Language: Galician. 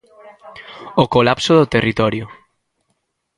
O colapso do territorio.